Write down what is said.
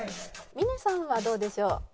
峰さんはどうでしょう？